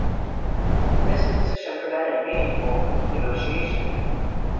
This position prevented meaningful negotiation.